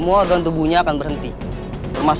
biar putri juga disananya tenang